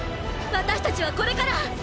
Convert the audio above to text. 私たちはこれから！